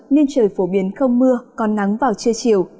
nên trời phổ biến không mưa còn nắng vào trưa chiều